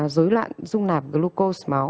dối loạn dung nạp glucose máu